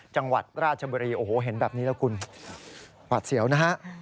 จังหวัดราชบุรีโอ้โหเห็นแบบนี้แล้วคุณหวาดเสียวนะฮะ